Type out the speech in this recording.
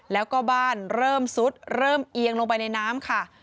แล้วก็บ้านเริ่มซุดเริ่มเอียงลงไปในน้ำค่ะ